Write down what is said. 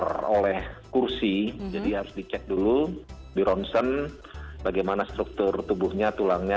teroleh kursi jadi harus dicek dulu dironsen bagaimana struktur tubuhnya tulangnya